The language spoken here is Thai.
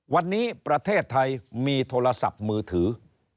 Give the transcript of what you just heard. วันนี้ประเทศไทยมีโทรศัพท์มือถือ